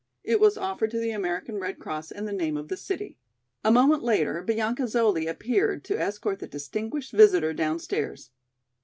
It was offered to the American Red Cross in the name of the city." A moment later Bianca Zoli appeared to escort their distinguished visitor downstairs.